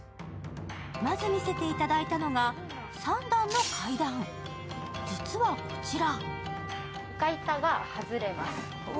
まず見せていただいたのが３段の階段、実はこちら。